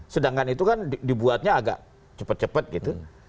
sedangkan itu kan dibuatnya agak cepet cepet gitu